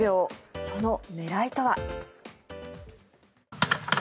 その狙いとは。